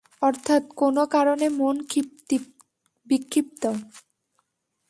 অর্থাৎ কোনো কারণে মন বিক্ষিপ্ত।